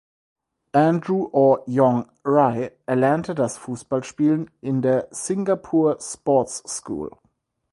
Andrew Aw Yong Rei erlernte das Fußballspielen in der "Singapore Sports School".